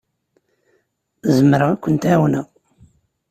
Zemreɣ ad kent-ɛawneɣ.